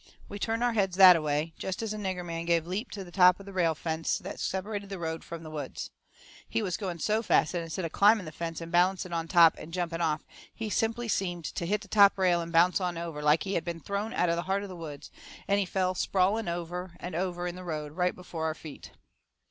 We turned our heads that a way, jest as a nigger man give a leap to the top of a rail fence that separated the road from the woods. He was going so fast that instead of climbing that fence and balancing on the top and jumping off he jest simply seemed to hit the top rail and bounce on over, like he had been throwed out of the heart of the woods, and he fell sprawling over and over in the road, right before our feet.